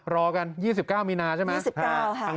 รอกัน๒๙มีนาใช่ไหม